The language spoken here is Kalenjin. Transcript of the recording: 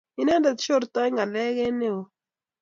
inendet shortoi ngálek eng neo